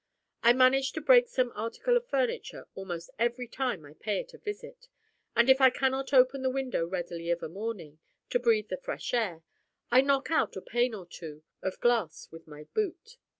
I manage to break some article of furniture almost every time I pay it a visit; and if I cannot open the window readily of a morning, to breathe the fresh air, I knock out a pane or two of glass with my boot.